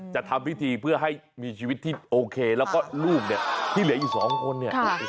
จะทำพิธีเพื่อให้มีชีวิตที่โอเคแล้วก็ลูกเนี่ยที่เหลืออยู่๒คนเนี่ย